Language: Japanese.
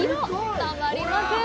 たまりません！